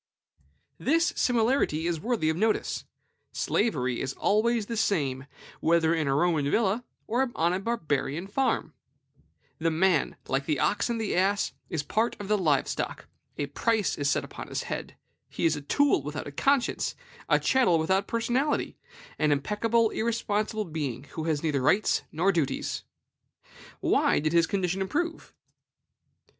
This similarity is worthy of notice. Slavery is always the same, whether in a Roman villa or on a Barbarian farm. The man, like the ox and the ass, is a part of the live stock; a price is set upon his head; he is a tool without a conscience, a chattel without personality, an impeccable, irresponsible being, who has neither rights nor duties. Why did his condition improve?